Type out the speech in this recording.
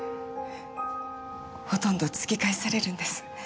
ほとんど突き返されるんです。